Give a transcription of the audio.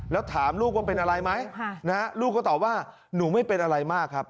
แล้วถามลูกว่าเป็นอะไรไหมลูกก็ตอบว่าหนูไม่เป็นอะไรมากครับ